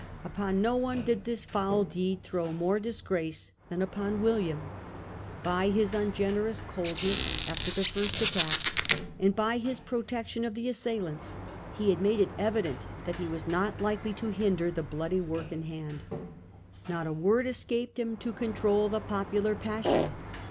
Upon no one did this foul deed throw more disgrace than upon William. By his ungenerous coldness after Conduct of fi rst attack, and by his protection of the William. assailants, he had made it evident that he was not likely to hinder the bloody work in hand. Not a word had escaped him to control the popular passion.